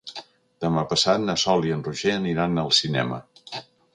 Demà passat na Sol i en Roger aniran al cinema.